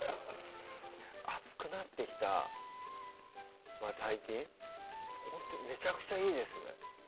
暑くなってきた最近ほんとめちゃくちゃいいですね